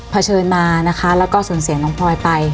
เชิดมานะคะแล้วก็สูญเสียน้องพลอยไป